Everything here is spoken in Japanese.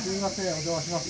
お邪魔します。